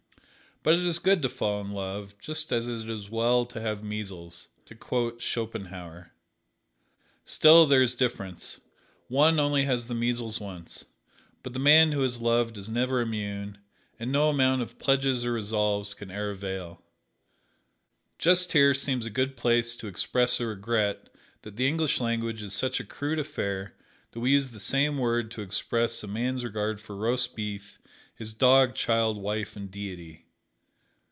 "But it is good to fall in love, just as it is well to have the measles," to quote Schopenhauer. Still, there is this difference: one only has the measles once, but the man who has loved is never immune, and no amount of pledges or resolves can ere avail. Just here seems a good place to express a regret that the English language is such a crude affair that we use the same word to express a man's regard for roast beef, his dog, child, wife and Deity.